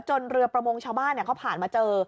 เรือประมงชาวบ้านเขาผ่านมาเจอ